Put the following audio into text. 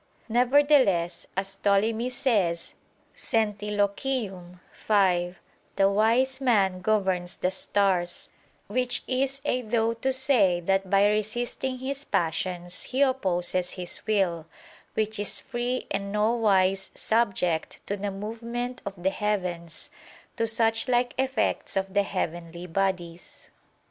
Nevertheless, as Ptolemy says (Centiloquium v), "the wise man governs the stars"; which is a though to say that by resisting his passions, he opposes his will, which is free and nowise subject to the movement of the heavens, to such like effects of the heavenly bodies.